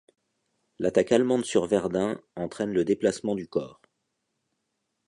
L'attaque allemande sur Verdun, entraine le déplacement du Corps.